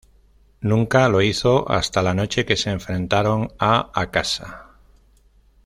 Nunca lo hizo hasta la noche que se enfrentaron a Akasha.